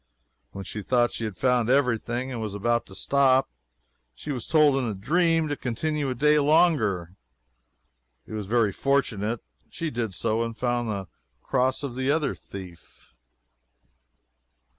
When she thought she had found every thing and was about to stop, she was told in a dream to continue a day longer. It was very fortunate. She did so, and found the cross of the other thief.